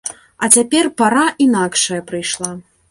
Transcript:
А цяпер пара інакшая прыйшла.